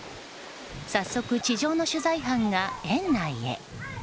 早速、地上の取材班が園内へ。